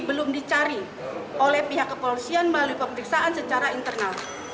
belum dicari oleh pihak kepolisian melalui pemeriksaan secara internal